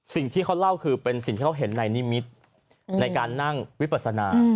สิ่งที่เขาเล่าคือเป็นสิ่งที่เขาเห็นในนิมิตรในการนั่งวิปัสนา